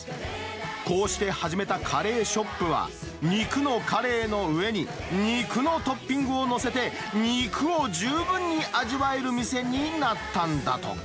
こうして始めたカレーショップは、肉のカレーの上に肉のトッピングを載せて、肉を十分に味わえる店になったんだとか。